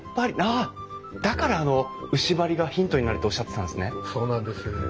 ああだからあの牛梁がヒントになるとおっしゃってたんですね。